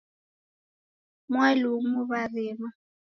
Mwalumu w'arima